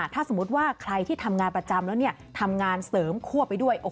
ถ้าสมมุติว่าใครที่ทำงานประจำแล้วทำงานเสริมคั่วไปด้วย